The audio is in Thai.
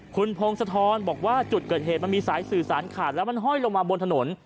คุณพงศธรบอกว่าจุดเกิดเหตุมันมีสายสื่อสารขาดแล้วมันห้อยลงมาบนถนน